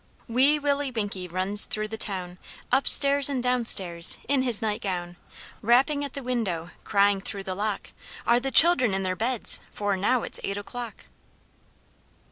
Wee Willie Winkie runs through the town, Upstairs and downstairs in his nightgown, Rapping at the window, crying through the lock, "Are the children in their beds, for now it's eight o'clock?"